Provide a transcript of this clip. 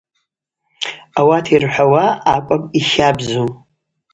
Ауат йырхӏвауа акӏвпӏ йхабзу.